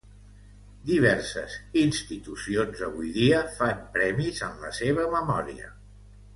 Diverses institucions avui dia fan premis en la seva memòria.